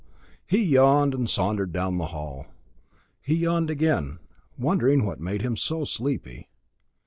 He yawned and sauntered down the hall. He yawned again, wondering what made him so sleepy.